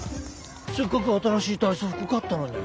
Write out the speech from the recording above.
せっかく新しい体操服買ったのに。